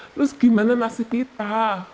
terus gimana nasib kita